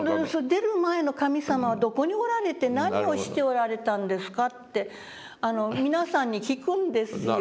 「出る前の神様はどこにおられて何をしておられたんですか」って皆さんに聞くんですよ。